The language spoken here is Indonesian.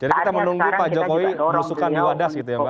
jadi kita menunggu pak jokowi melusukan di wadah gitu ya mbak